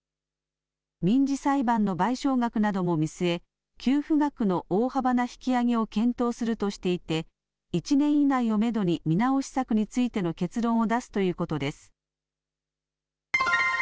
民事裁判の賠償額なども見据え、給付額の大幅な引き上げを検討するとしていて、１年以内をメドに見直し策についての結論を出すということです。